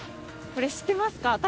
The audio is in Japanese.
これ知ってますか？